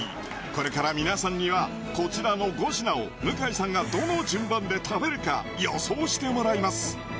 これから皆さんにはこちらの５品を向井さんがどの順番で食べるか予想してもらいます